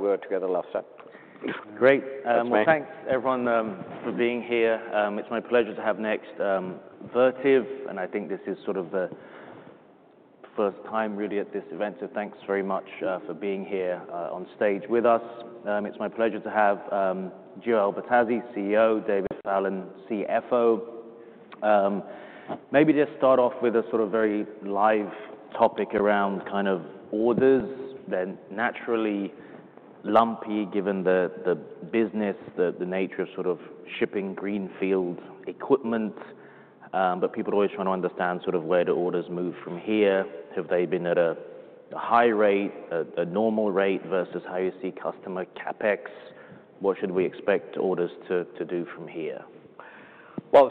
We're together last time. Great. Well, thanks, everyone, for being here. It's my pleasure to have next Vertiv, and I think this is sort of the first time really at this event. So thanks very much for being here on stage with us. It's my pleasure to have Gio Albertazzi, CEO, David Fallon, CFO. Maybe just start off with a sort of very live topic around kind of orders. They're naturally lumpy given the business, the nature of sort of shipping greenfield equipment. But people are always trying to understand sort of where do orders move from here. Have they been at a high rate, a normal rate versus how you see customer CapEx? What should we expect orders to do from here?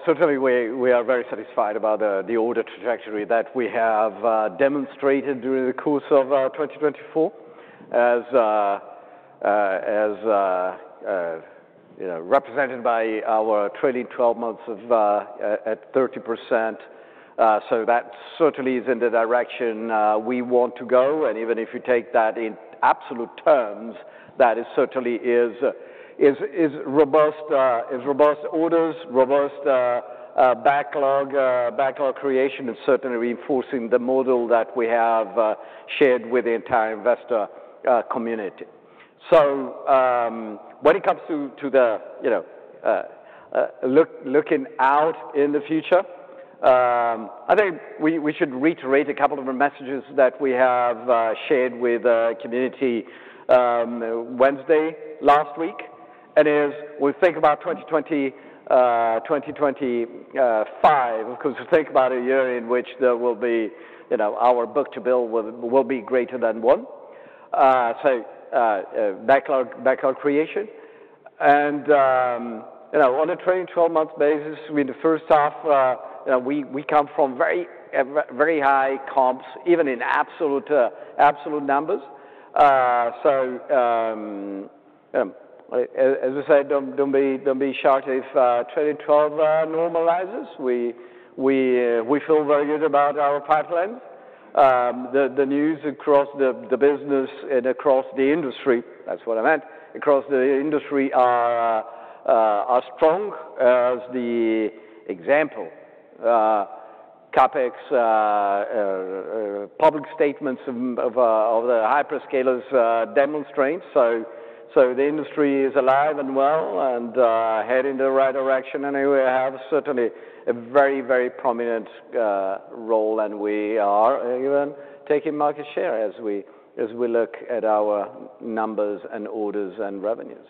Certainly, we are very satisfied about the order trajectory that we have demonstrated during the course of 2024, as represented by our trailing 12-month of at 30%. That certainly is in the direction we want to go. Even if you take that in absolute terms, that certainly is robust orders, robust backlog creation, and certainly reinforcing the model that we have shared with the entire investor community. When it comes to looking out in the future, I think we should reiterate a couple of the messages that we have shared with the community Wednesday last week. As we think about 2025, of course, we think about a year in which there will be our book-to-bill will be greater than one. Backlog creation. On a trailing 12-month basis, I mean, first off, we come from very high comps, even in absolute numbers. As I said, don't be shocked if trailing 12 normalizes. We feel very good about our pipeline. The news across the business and across the industry, that's what I meant, across the industry are strong as the example CapEx public statements of the hyperscalers demonstrate. The industry is alive and well and heading in the right direction. We have certainly a very, very prominent role, and we are even taking market share as we look at our numbers and orders and revenues.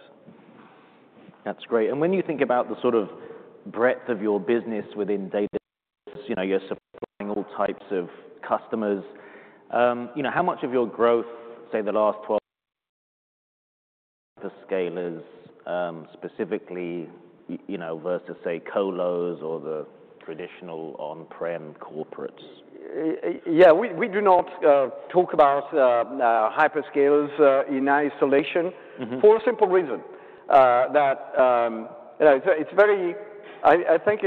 That's great. And when you think about the sort of breadth of your business within Vertiv, you're supplying all types of customers. How much of your growth, say, the last 12 hyperscalers specifically versus, say, colos or the traditional on-prem corporates? Yeah, we do not talk about hyperscalers in isolation for a simple reason that it's very, I think,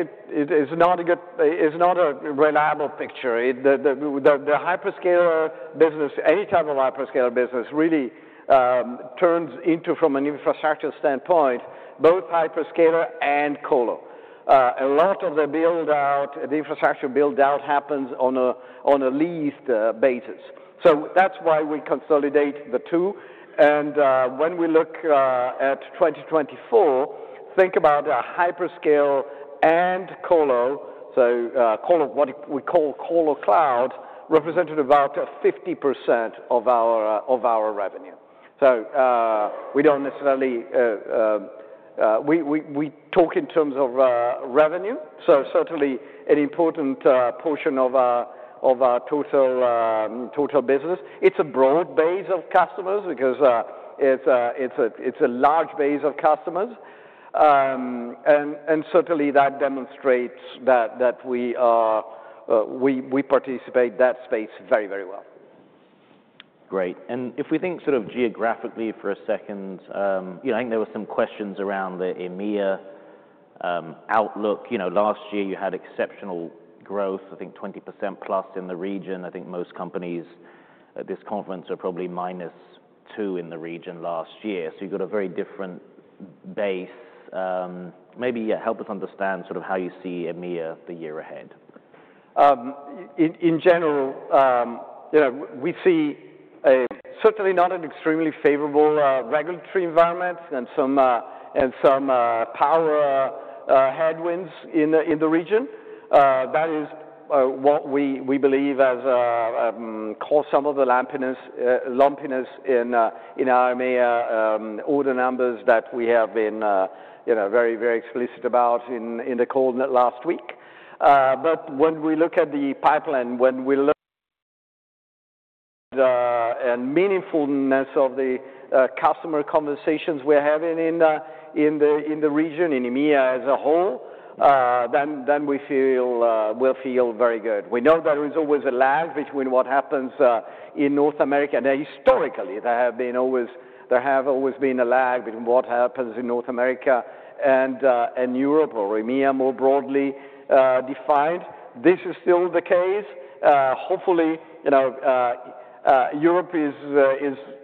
not a reliable picture. The hyperscaler business, any type of hyperscaler business really turns into, from an infrastructure standpoint, both hyperscaler and colo. A lot of the build-out, the infrastructure build-out happens on a leased basis. So that's why we consolidate the two. And when we look at 2024, think about hyperscale and colo. So colo, what we call colo cloud, represented about 50% of our revenue. So we don't necessarily talk in terms of revenue. So certainly an important portion of our total business. It's a broad base of customers because it's a large base of customers. And certainly, that demonstrates that we participate in that space very, very well. Great. And if we think sort of geographically for a second, I think there were some questions around the EMEA outlook. Last year, you had exceptional growth, I think 20% plus in the region. I think most companies at this conference are probably minus 2% in the region last year. So you've got a very different base. Maybe help us understand sort of how you see EMEA the year ahead. In general, we see certainly not an extremely favorable regulatory environment and some power headwinds in the region. That is what we believe has caused some of the lumpiness in our EMEA order numbers that we have been very, very explicit about in the call last week, but when we look at the pipeline, when we look at the meaningfulness of the customer conversations we're having in the region, in EMEA as a whole, then we will feel very good. We know that there is always a lag between what happens in North America, and historically, there have always been a lag between what happens in North America and Europe or EMEA more broadly defined. This is still the case. Hopefully, Europe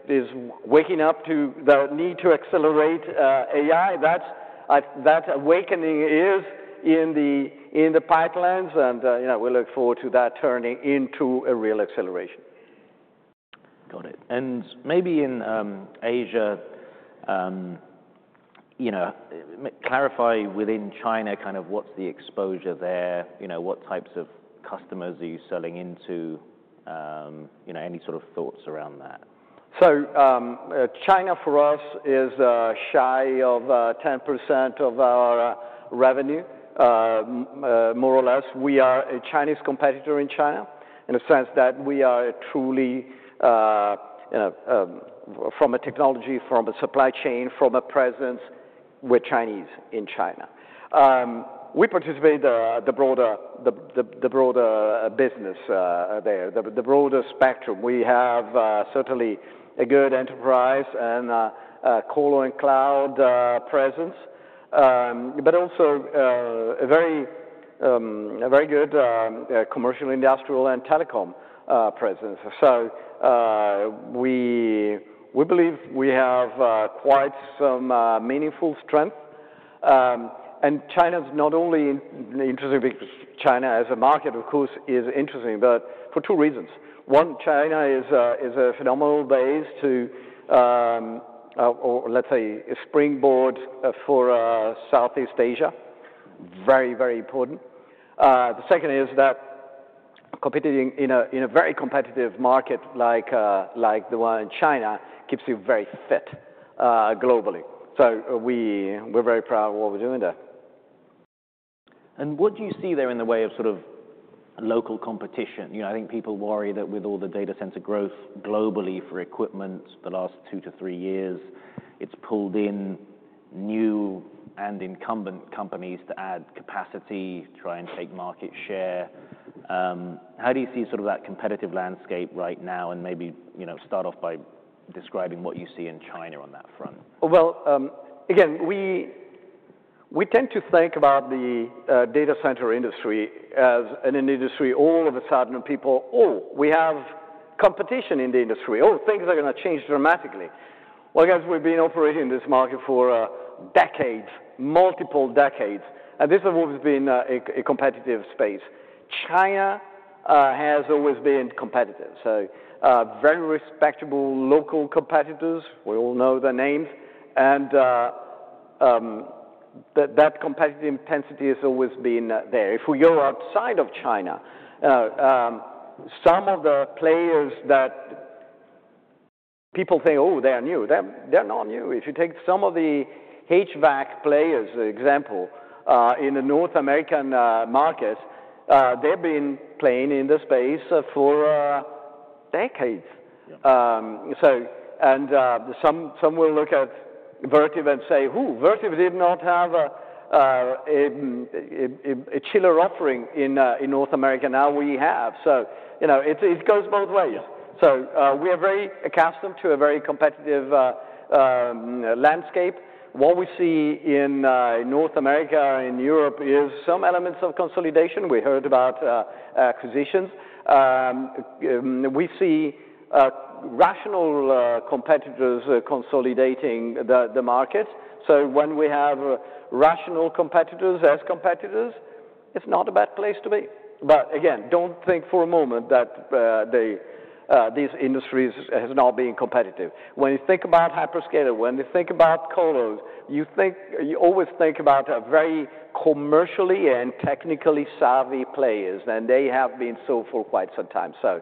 is waking up to the need to accelerate AI. That awakening is in the pipelines, and we look forward to that turning into a real acceleration. Got it. And maybe in Asia, clarify within China, kind of what's the exposure there? What types of customers are you selling into? Any sort of thoughts around that? China for us is shy of 10% of our revenue, more or less. We are a Chinese competitor in China in the sense that we are truly, from a technology, from a supply chain, from a presence, we're Chinese in China. We participate in the broader business there, the broader spectrum. We have certainly a good enterprise and colo and cloud presence, but also a very good commercial, industrial, and telecom presence. We believe we have quite some meaningful strength. China's not only interesting because China as a market, of course, is interesting, but for two reasons. One, China is a phenomenal base to, let's say, springboard for Southeast Asia. Very, very important. The second is that competing in a very competitive market like the one in China keeps you very fit globally. We're very proud of what we're doing there. And what do you see there in the way of sort of local competition? I think people worry that with all the data center growth globally for equipment the last two to three years, it's pulled in new and incumbent companies to add capacity, try and take market share. How do you see sort of that competitive landscape right now? And maybe start off by describing what you see in China on that front. Well, again, we tend to think about the data center industry as an industry. All of a sudden people, oh, we have competition in the industry. Oh, things are going to change dramatically. Well, guys, we've been operating in this market for decades, multiple decades. And this has always been a competitive space. China has always been competitive. So very respectable local competitors. We all know their names. And that competitive intensity has always been there. If we go outside of China, some of the players that people think, oh, they are new, they're not new. If you take some of the HVAC players, for example, in the North American markets, they've been playing in the space for decades. And some will look at Vertiv and say, oh, Vertiv did not have a chiller offering in North America. Now we have. So it goes both ways. So we are very accustomed to a very competitive landscape. What we see in North America and in Europe is some elements of consolidation. We heard about acquisitions. We see rational competitors consolidating the market. So when we have rational competitors as competitors, it's not a bad place to be. But again, don't think for a moment that these industries have not been competitive. When you think about hyperscaler, when you think about colos, you always think about very commercially and technically savvy players. And they have been so for quite some time. So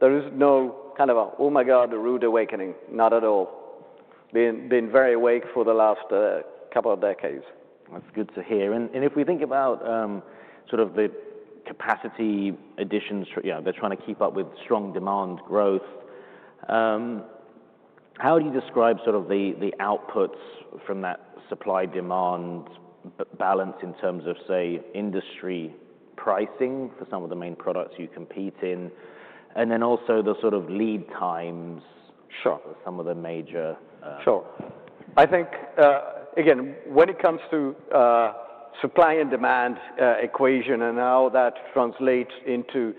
there is no kind of a, oh my God, the rude awakening. Not at all. Been very awake for the last couple of decades. That's good to hear. And if we think about sort of the capacity additions, they're trying to keep up with strong demand growth. How do you describe sort of the outputs from that supply-demand balance in terms of, say, industry pricing for some of the main products you compete in? And then also the sort of lead times for some of the major. Sure. I think, again, when it comes to supply and demand equation and how that translates into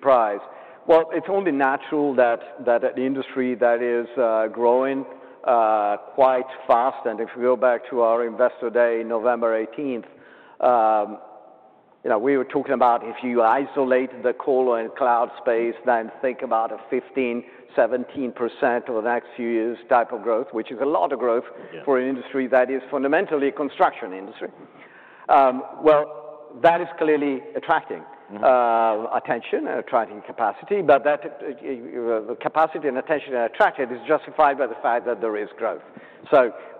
price, well, it's only natural that the industry that is growing quite fast, and if you go back to our investor day November 18th, we were talking about if you isolate the colo and cloud space, then think about a 15%-17% over the next few years type of growth, which is a lot of growth for an industry that is fundamentally a construction industry. That is clearly attracting attention and attracting capacity. But that capacity and attention and attraction is justified by the fact that there is growth.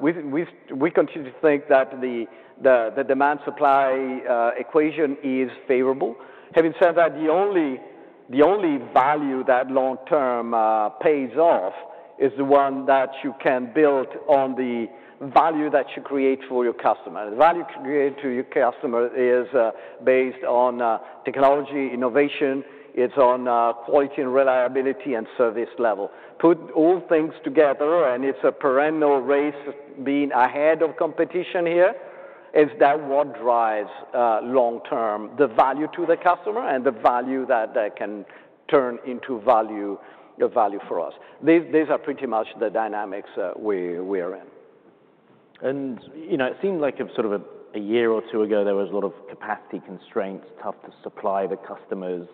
We continue to think that the demand-supply equation is favorable. Having said that, the only value that long-term pays off is the one that you can build on the value that you create for your customer. The value created to your customer is based on technology, innovation. It's on quality and reliability and service level. Put all things together, and it's a perennial race being ahead of competition here. It's that what drives long-term the value to the customer and the value that can turn into value for us. These are pretty much the dynamics we are in. It seemed like sort of a year or two ago, there was a lot of capacity constraints, tough to supply the customers.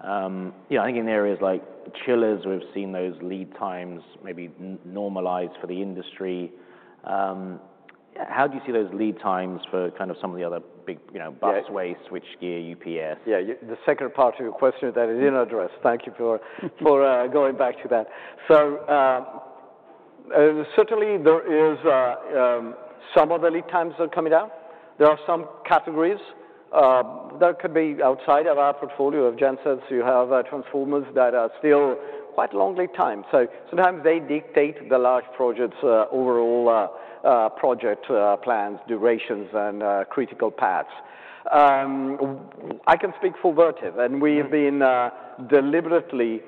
I think in areas like chillers, we've seen those lead times maybe normalize for the industry. How do you see those lead times for kind of some of the other big busway, switchgear, UPS? Yeah, the second part of your question that I didn't address. Thank you for going back to that. So certainly, there is some of the lead times are coming down. There are some categories that could be outside of our portfolio. As gensets, you have transformers that are still quite long lead time. So sometimes they dictate the large projects, overall project plans, durations, and critical paths. I can speak for Vertiv, and we have been deliberately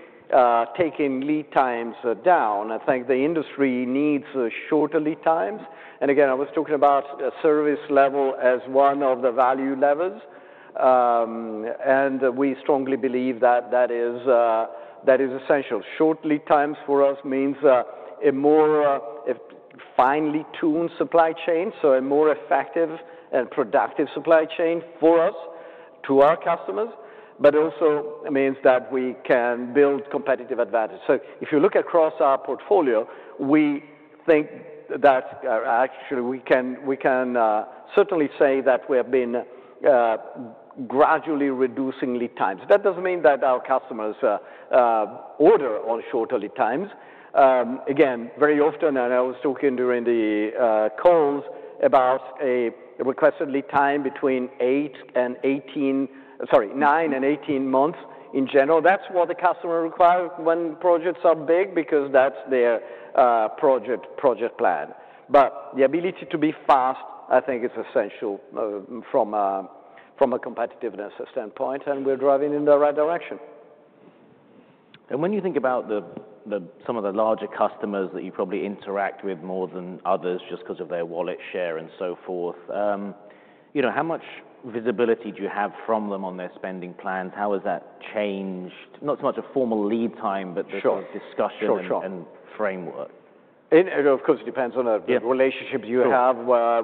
taking lead times down. I think the industry needs shorter lead times, and again, I was talking about service level as one of the value levels. And we strongly believe that that is essential. Short lead times for us means a more finely tuned supply chain, so a more effective and productive supply chain for us to our customers, but also means that we can build competitive advantage. So if you look across our portfolio, we think that actually we can certainly say that we have been gradually reducing lead times. That doesn't mean that our customers order on shorter lead times. Again, very often, and I was talking during the calls about a requested lead time between eight and 18, sorry, nine and 18 months in general. That's what the customer requires when projects are big because that's their project plan. But the ability to be fast, I think, is essential from a competitiveness standpoint. And we're driving in the right direction. When you think about some of the larger customers that you probably interact with more than others just because of their wallet share and so forth, how much visibility do you have from them on their spending plans? How has that changed? Not so much a formal lead time, but the discussion and framework. Sure. Of course, it depends on the relationships you have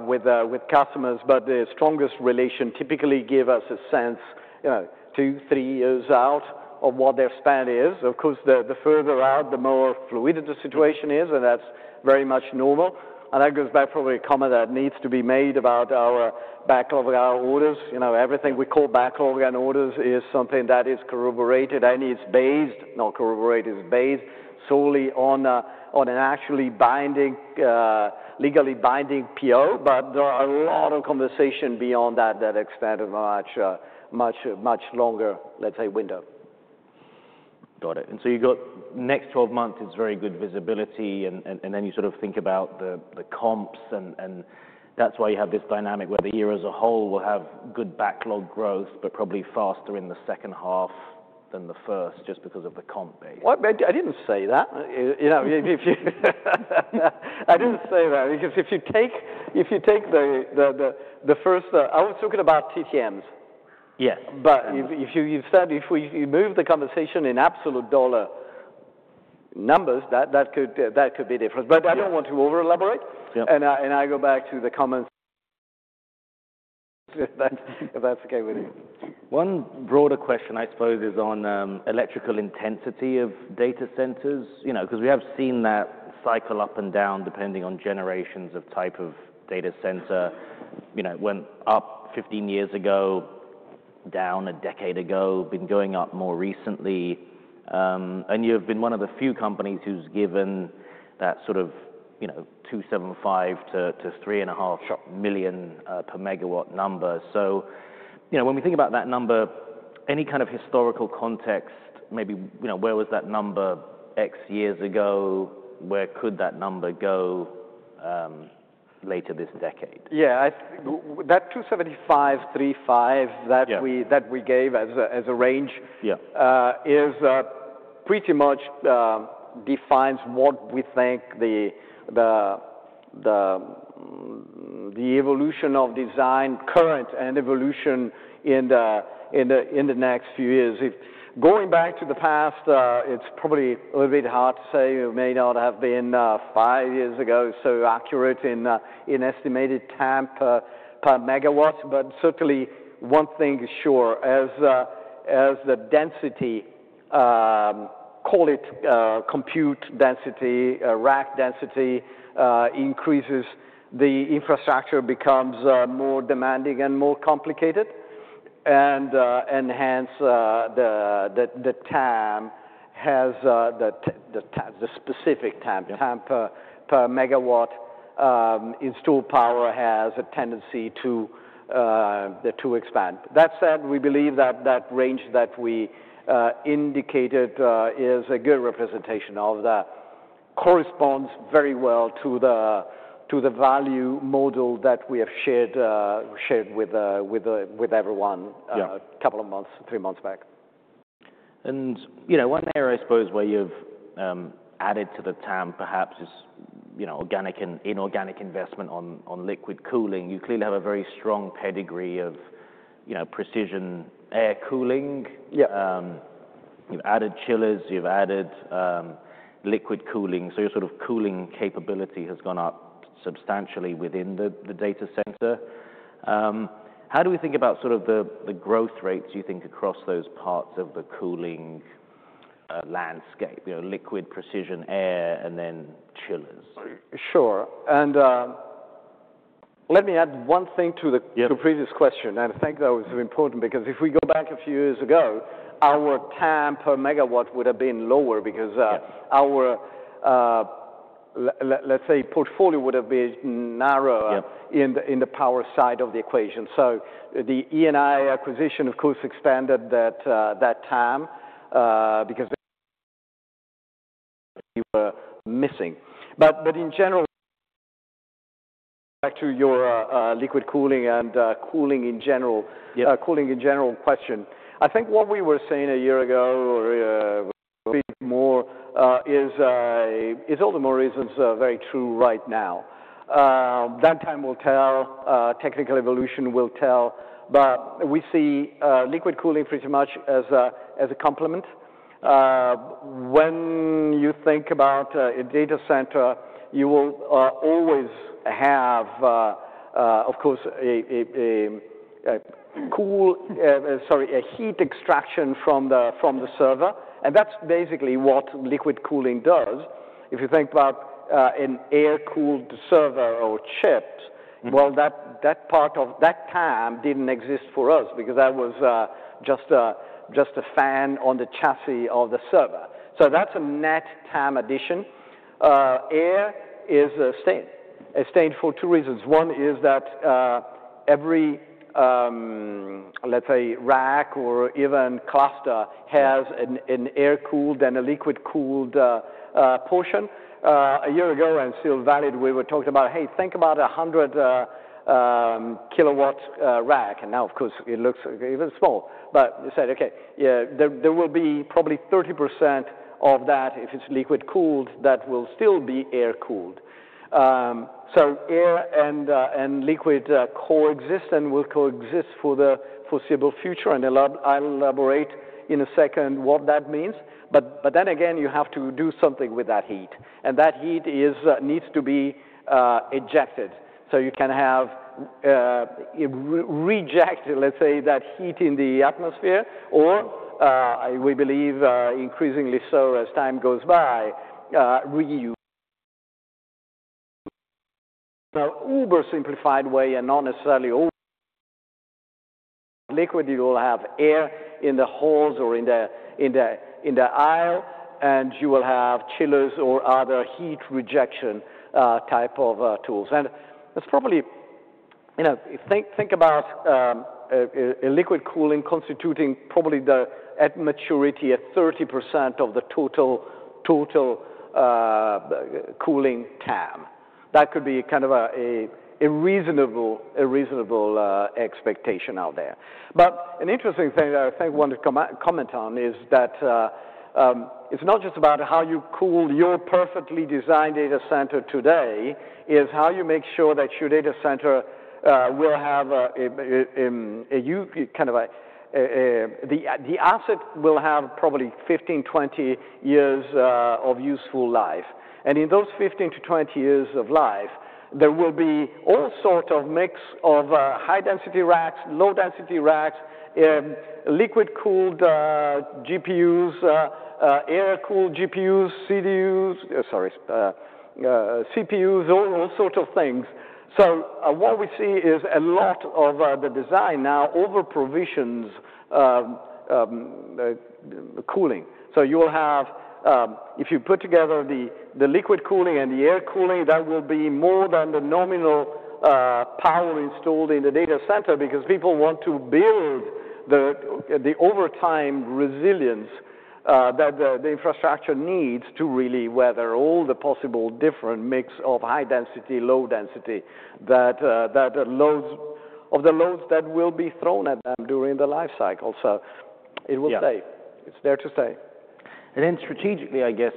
with customers. But the strongest relation typically gives us a sense two, three years out of what their plan is. Of course, the further out, the more fluid the situation is. And that's very much normal. And that goes back probably a comment that needs to be made about our backlog and our orders. Everything we call backlog and orders is something that is corroborated. And it's based, not corroborated, it's based solely on an actual legally binding PO. But there are a lot of conversations beyond that extended much longer, let's say, window. Got it. And so you've got next 12 months, it's very good visibility. And then you sort of think about the comps. And that's why you have this dynamic where the year as a whole will have good backlog growth, but probably faster in the second half than the first just because of the comp base. I didn't say that. I didn't say that. Because if you take the first, I was talking about TTMs. Yes. But if you move the conversation in absolute dollar numbers, that could be different. But I don't want to over-elaborate. And I go back to the comments. If that's okay with you. One broader question, I suppose, is on electrical intensity of data centers. Because we have seen that cycle up and down depending on generations of type of data center. Went up 15 years ago, down a decade ago, been going up more recently. And you have been one of the few companies who's given that sort of $275,000-$350,000 per megawatt number. So when we think about that number, any kind of historical context, maybe where was that number X years ago? Where could that number go later this decade? Yeah. That $275-350 that we gave as a range pretty much defines what we think the evolution of design current and evolution in the next few years. Going back to the past, it's probably a little bit hard to say. It may not have been five years ago as accurate in estimated spend per megawatt, but certainly one thing is sure. As the density, call it compute density, rack density increases, the infrastructure becomes more demanding and more complicated, and hence the TAM for the specific spend per megawatt installed power has a tendency to expand. That said, we believe that that range that we indicated is a good representation of that. It corresponds very well to the value model that we have shared with everyone a couple of months, three months back. And one area, I suppose, where you've added to the TAM perhaps is organic and inorganic investment on liquid cooling. You clearly have a very strong pedigree of precision air cooling. You've added chillers. You've added liquid cooling. So your sort of cooling capability has gone up substantially within the data center. How do we think about sort of the growth rates, you think, across those parts of the cooling landscape? Liquid precision air, and then chillers. Sure. And let me add one thing to the previous question. And I think that was important. Because if we go back a few years ago, our TAM per megawatt would have been lower because our, let's say, portfolio would have been narrower in the power side of the equation. So the E&I acquisition, of course, expanded that TAM because we were missing. But in general, back to your liquid cooling and cooling in general question. I think what we were saying a year ago or a bit more is all the more reasons very true right now. That time will tell. Technical evolution will tell. But we see liquid cooling pretty much as a complement. When you think about a data center, you will always have, of course, a cool, sorry, a heat extraction from the server. And that's basically what liquid cooling does. If you think about an air-cooled server or chip, well, that part of that TAM didn't exist for us because that was just a fan on the chassis of the server. So that's a net TAM addition. Air is a given. A given for two reasons. One is that every, let's say, rack or even cluster has an air-cooled and a liquid-cooled portion. A year ago and still valid, we were talking about, hey, think about a 100 kilowatt rack. And now, of course, it looks even small. But we said, OK, there will be probably 30% of that if it's liquid-cooled that will still be air-cooled. So air and liquid coexist and will coexist for the foreseeable future. And I'll elaborate in a second what that means. But then again, you have to do something with that heat. And that heat needs to be ejected. So you can have rejected, let's say, that heat in the atmosphere or, we believe, increasingly so as time goes by, reuse. Now, uber simplified way and not necessarily liquid, you will have air in the halls or in the aisle. And you will have chillers or other heat rejection type of tools. And it's probably, think about a liquid cooling constituting probably at maturity 30% of the total cooling TAM. That could be kind of a reasonable expectation out there. But an interesting thing that I think I want to comment on is that it's not just about how you cool your perfectly designed data center today. It's how you make sure that your data center will have a kind of the asset will have probably 15-20 years of useful life. In those 15-20 years of life, there will be all sort of mix of high-density racks, low-density racks, liquid-cooled GPUs, air-cooled GPUs, CPUs, all sorts of things. So what we see is a lot of the design now over-provisions cooling. So you will have, if you put together the liquid cooling and the air cooling, that will be more than the nominal power installed in the data center because people want to build the overtime resilience that the infrastructure needs to really weather all the possible different mix of high-density, low-density loads that will be thrown at them during the life cycle. So it will stay. It's there to stay. Then strategically, I guess,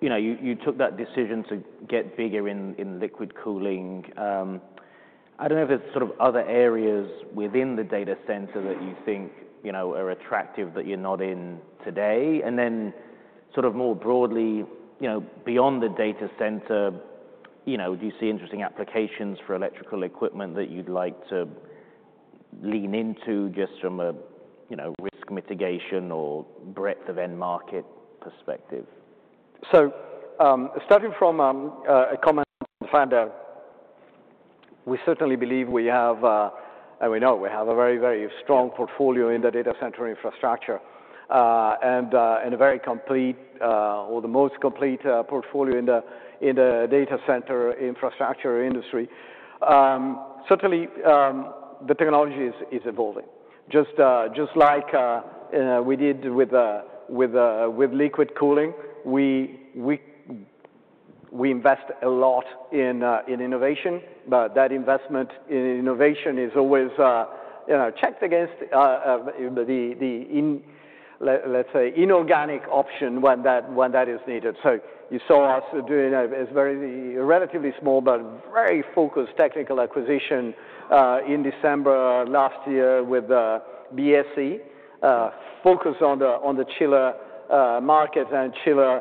you took that decision to get bigger in liquid cooling. I don't know if there's sort of other areas within the data center that you think are attractive that you're not in today. Then sort of more broadly, beyond the data center, do you see interesting applications for electrical equipment that you'd like to lean into just from a risk mitigation or breadth of end market perspective? Starting from a comment from the founder, we certainly believe we have, and we know we have a very, very strong portfolio in the data center infrastructure and a very complete or the most complete portfolio in the data center infrastructure industry. Certainly, the technology is evolving. Just like we did with liquid cooling, we invest a lot in innovation. But that investment in innovation is always checked against the, let's say, inorganic option when that is needed. You saw us doing a relatively small but very focused technical acquisition in December last year with DSE, focused on the chiller market and chiller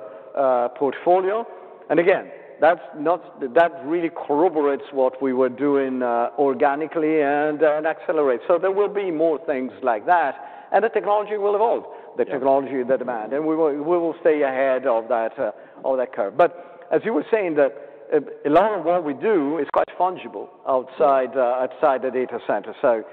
portfolio. And again, that really corroborates what we were doing organically and accelerate. There will be more things like that. And the technology will evolve, the technology, the demand. And we will stay ahead of that curve. But as you were saying, a lot of what we do is quite fungible outside the data center. So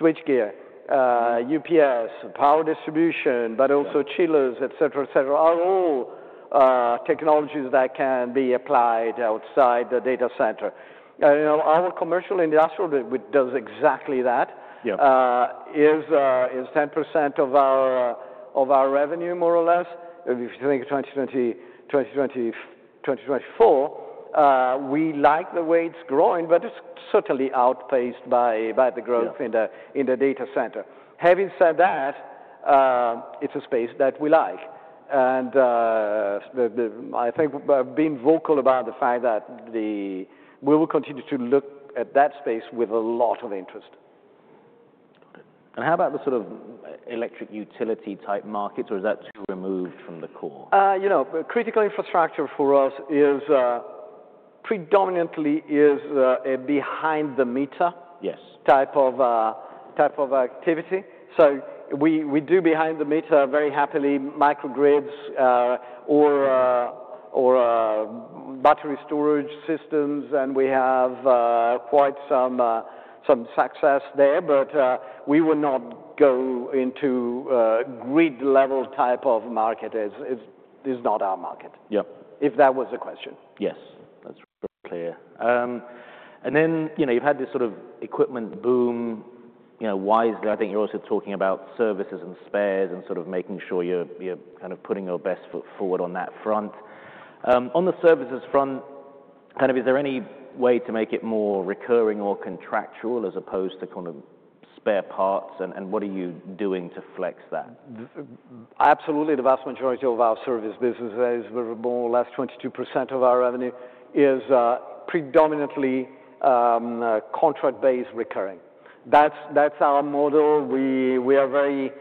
switchgear, UPS, power distribution, but also chillers, et cetera, et cetera, are all technologies that can be applied outside the data center. Our commercial industrial does exactly that. It's 10% of our revenue, more or less. If you think 2024, we like the way it's growing, but it's certainly outpaced by the growth in the data center. Having said that, it's a space that we like. And I think being vocal about the fact that we will continue to look at that space with a lot of interest. How about the sort of electric utility type markets? Or is that too removed from the core? You know, critical infrastructure for us predominantly is a behind-the-meter type of activity. So we do behind-the-meter very happily microgrids or battery storage systems. And we have quite some success there. But we will not go into grid-level type of market. It's not our market, if that was the question? Yes. That's clear, and then you've had this sort of equipment boom. Why is there? I think you're also talking about services and spares and sort of making sure you're kind of putting your best foot forward on that front. On the services front, kind of is there any way to make it more recurring or contractual as opposed to kind of spare parts, and what are you doing to flex that? Absolutely. The vast majority of our service businesses, more or less 22% of our revenue, is predominantly contract-based recurring. That's our model. We are very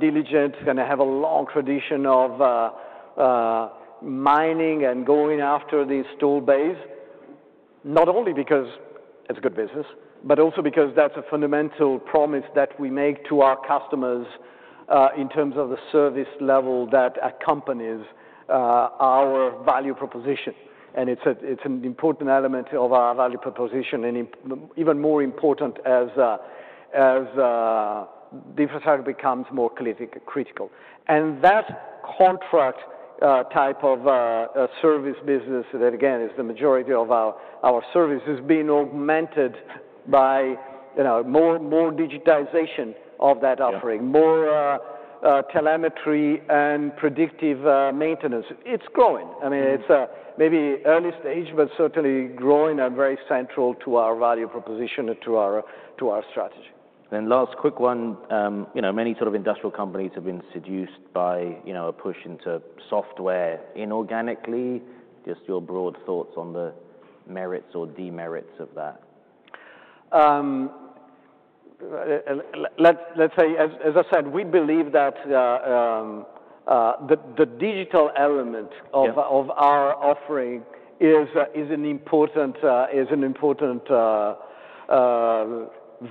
diligent and have a long tradition of mining and going after the installed base, not only because it's good business, but also because that's a fundamental promise that we make to our customers in terms of the service level that accompanies our value proposition, and it's an important element of our value proposition and even more important as the infrastructure becomes more critical, and that contract type of service business that, again, is the majority of our service has been augmented by more digitization of that offering, more telemetry and predictive maintenance. It's growing. I mean, it's maybe early stage, but certainly growing and very central to our value proposition and to our strategy. Last quick one. Many sort of industrial companies have been seduced by a push into software inorganically. Just your broad thoughts on the merits or demerits of that. Let's say, as I said, we believe that the digital element of our offering is an important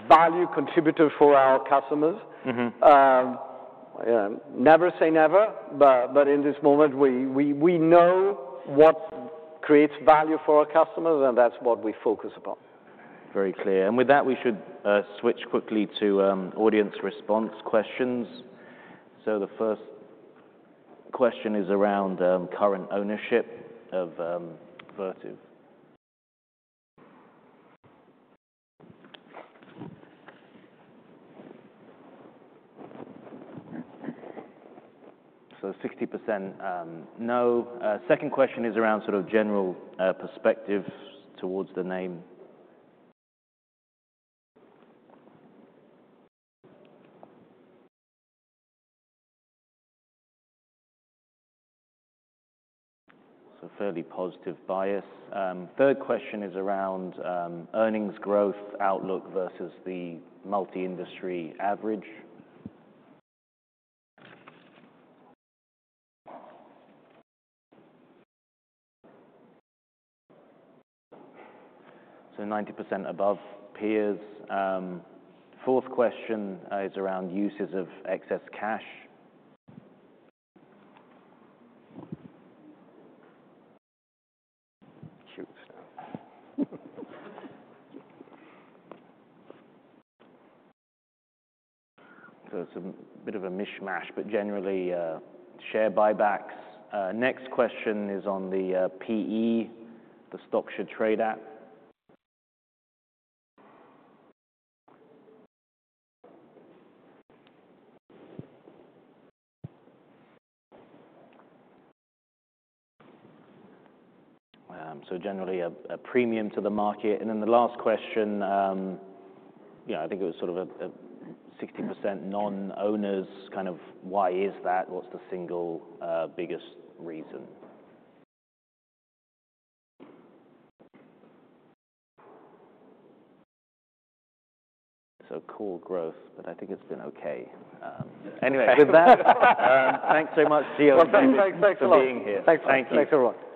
value contributor for our customers. Never say never. But in this moment, we know what creates value for our customers, and that's what we focus upon. Very clear. And with that, we should switch quickly to audience response questions. So the first question is around current ownership of Vertiv. So 60% no. Second question is around sort of general perspective towards the name. So fairly positive bias. Third question is around earnings growth outlook versus the multi-industry average. So 90% above peers. Fourth question is around uses of excess cash. So it's a bit of a mishmash, but generally share buybacks. Next question is on the PE, the stock should trade at. So generally a premium to the market. And then the last question, I think it was sort of 60% non-owners, kind of why is that? What's the single biggest reason? So core growth. But I think it's been OK. Anyway, with that, thanks so much, Gio for being here. Thanks a lot. Thanks everyone.